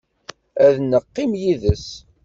Ad neqqim yid-s.